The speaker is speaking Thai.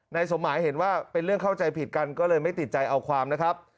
สมหมายเห็นว่าเป็นเรื่องเข้าใจผิดกันก็เลยไม่ติดใจเอาความนะครับ